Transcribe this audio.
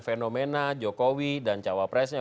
fenomena jokowi dan cawa presnya